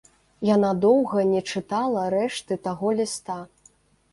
Яна доўга не чытала рэшты таго ліста.